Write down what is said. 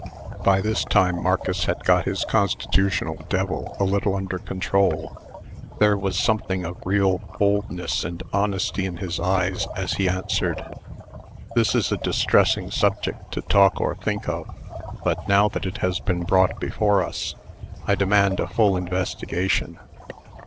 By this time, Marcus had got his constitutional devil a little under control. There was something of real boldness and honesty in his eyes, as he answered: "This is a distressing subject to talk or think of. But now that it has been brought before us, I demand a full investigation.